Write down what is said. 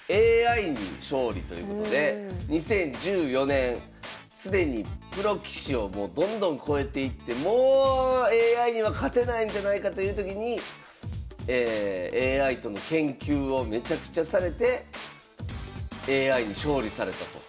「ＡＩに勝利」ということで２０１４年既にプロ棋士をもうどんどん超えていってもうＡＩには勝てないんじゃないかという時にＡＩとの研究をめちゃくちゃされてＡＩに勝利されたと。